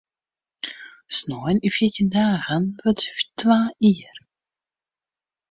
Snein yn fjirtjin dagen wurdt se twa jier.